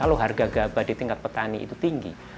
kalau harga gabah di tingkat petani itu tinggi